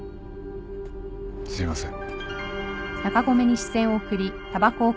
すいません。